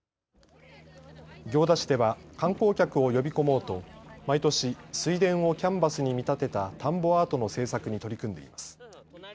行田市では観光客を呼び込もうと毎年、水田をキャンバスに見立てた田んぼアートの制作に取り組んでいます。